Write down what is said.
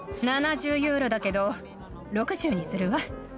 ７０ユーロだけど６０にするわ。